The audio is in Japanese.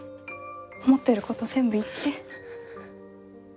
思ってること全部言って。